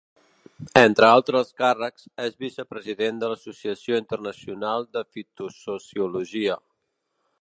Entre altres càrrecs és vicepresident de l'Associació Internacional de Fitosociologia.